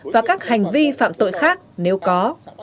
và các hành vi phạm tội khác nếu có